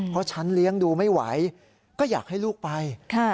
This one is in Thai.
เพราะฉันเลี้ยงดูไม่ไหวก็อยากให้ลูกไป